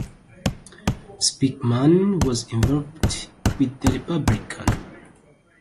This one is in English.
Speakman was involved with the Republican.